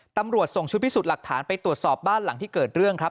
ตำรวจส่งชุดพิสูจน์หลักฐานไปตรวจสอบบ้านหลังที่เกิดเรื่องครับ